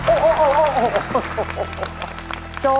โอ้โหโอ้โหโอ้โห